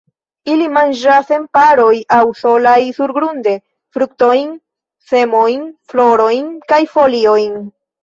Ili manĝas en paroj aŭ solaj surgrunde, fruktojn, semojn, florojn kaj foliojn.